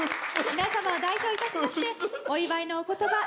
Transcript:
皆様を代表いたしましてお祝いのお言葉